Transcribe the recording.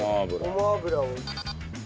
ごま油を。